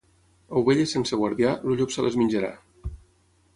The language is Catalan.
Ovelles sense guardià, el llop se les menjarà.